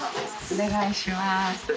お願いします。